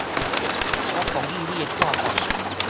我同意你的看法